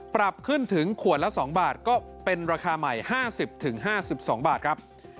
ปรับขึ้นถึงขวดละ๒บาทก็เป็นราคาใหม่๕๐๕๒บาทครับ